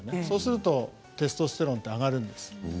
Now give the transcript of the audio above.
そうするとテストステロンが上がるんです。